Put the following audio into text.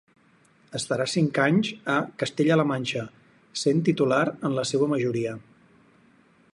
Estarà cinc anys a Castella-La Manxa, sent titular en la seua majoria.